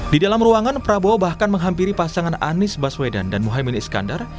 di dalam ruangan prabowo bahkan menghampiri pasangan anies baswedan dan muhaymin iskandar